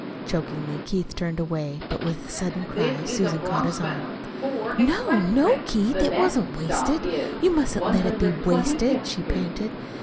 Chokingly Keith turned away, but with a sudden cry Susan caught his arm. "No, no, Keith, it wasn't wasted you mustn't let it be wasted," she panted.